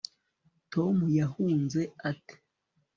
tom yahunze ate